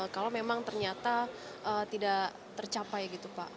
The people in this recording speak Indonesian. kalau memang ternyata tidak tercapai gitu pak